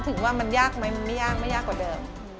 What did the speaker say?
ถึงว่ามันยากไหมมันไม่ยากไม่ยากกว่าเดิม